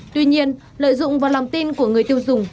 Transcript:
tuy nhiên lợi dụng vào lòng tin của người tiêu dùng